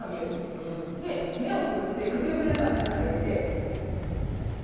目をつぶって首を振りながら口の中入れて。